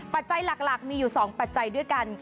ปัจจัยหลักมีอยู่๒ปัจจัยด้วยกัน